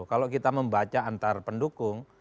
kalau kita membaca antar pendukung